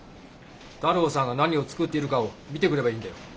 太郎さんが何をつくっているかを見てくればいいんだよ。